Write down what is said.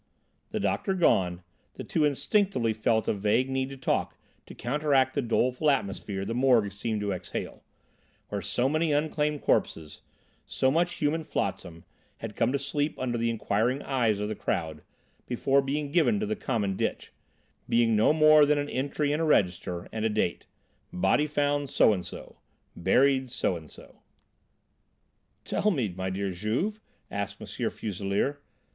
The doctor gone, the two instinctively felt a vague need to talk to counteract the doleful atmosphere the Morgue seemed to exhale, where so many unclaimed corpses, so much human flotsam, had come to sleep under the inquiring eyes of the crowd, before being given to the common ditch, being no more than an entry in a register and a date: "Body found so and so, buried so and so." "Tell me, my dear Juve," asked M. Fuselier.